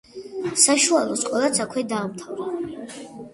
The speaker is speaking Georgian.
საშუალო სკოლაც აქვე დაამთავრა.